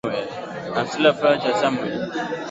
I'm still a flower child somewhere.